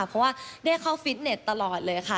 เพราะว่าได้เข้าฟิตเน็ตตลอดเลยค่ะ